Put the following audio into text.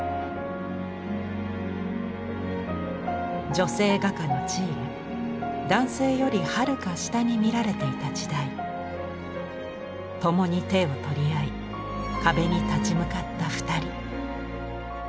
女性画家の地位が男性よりはるか下に見られていた時代共に手を取り合い壁に立ち向かった２人。